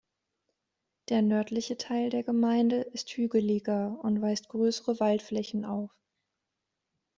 Der nördliche Teil der Gemeinde ist hügeliger und weist größere Waldflächen auf.